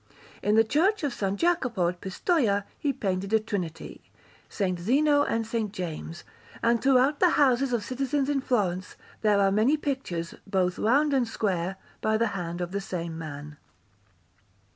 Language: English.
In the Church of S. Jacopo at Pistoia he painted a Trinity, S. Zeno, and S. James; and throughout the houses of citizens in Florence there are many pictures, both round and square, by the hand of the same man.